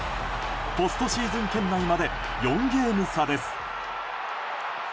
ポストシーズン圏内まで４ゲーム差です。